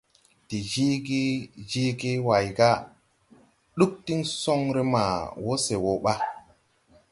De jeege, jeege Way: Ɗug diŋ soŋre ma wo se wo ɓa?